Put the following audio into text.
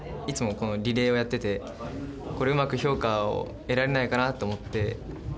いつもこのリレーをやっててこれうまく評価を得られないかなって思って。